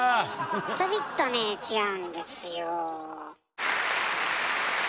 ちょびっとね違うんですよ。